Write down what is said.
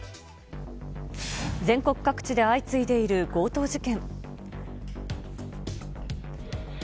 全国各地で相次いでいる強盗事件。